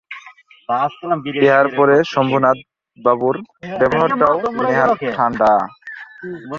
ইহার পরে শম্ভুনাথবাবুর ব্যবহারটাও নেহাত ঠাণ্ডা।